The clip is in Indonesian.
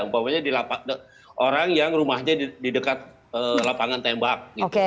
umpamanya orang yang rumahnya di dekat lapangan tembak